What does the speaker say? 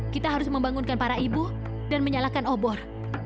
kita harus membangunkan para ibu dan menyalakan obor